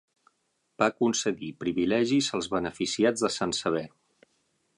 Va concedir privilegis als beneficiats de Sant Sever.